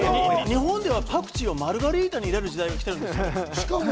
日本ではパクチーをマルゲリータに入れる時代が来てるんですよ。